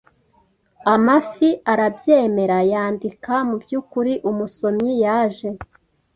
Amafi arabyemera yandika Mubyukuri umusomyi yaje